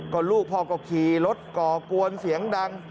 ก็ลูกพ่อก็ขี่รถก่อกวนเสียงดัง